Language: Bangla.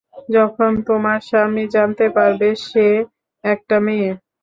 যখন তোমার স্বামী জানতে পারবে সে একটা মেয়ে।